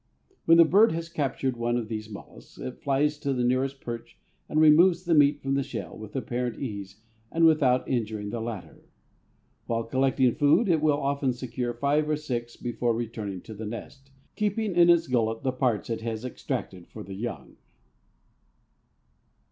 When the bird has captured one of these mollusks it flies to the nearest perch and removes the meat from the shell with apparent ease and without injuring the latter. While collecting food it will often secure five or six before returning to the nest, keeping in its gullet the parts it has extracted for the young."